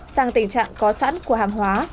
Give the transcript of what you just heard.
sang tình trạng có sẵn của hàng hóa